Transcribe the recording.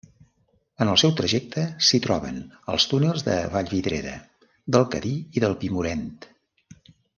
En el seu trajecte s'hi troben els túnels de Vallvidrera, del Cadí i del Pimorent.